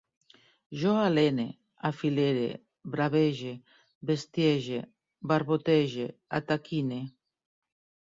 Jo alene, afilere, bravege, bestiege, barbotege, ataquine